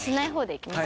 いきます！